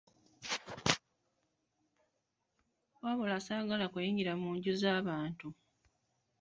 wabula saagala kuyingira mu nju za bantu.